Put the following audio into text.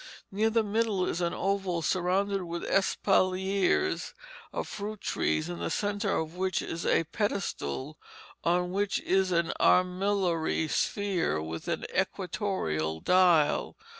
Near the middle is an oval surrounded with espaliers of fruit trees, in the centre of which is a pedestal, on which is an armillary sphere with an equatorial dial.